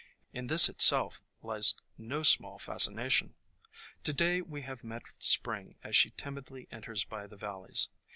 In this itself lies no small fascination. To day we have met Spring as she timidly enters by the valleys.